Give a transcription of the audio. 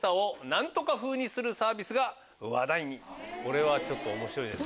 これはちょっと面白いです。